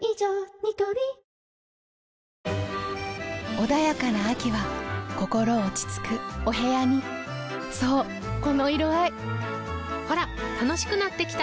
ニトリ穏やかな秋は心落ち着くお部屋にそうこの色合いほら楽しくなってきた！